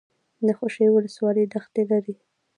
د خوشي ولسوالۍ دښتې لري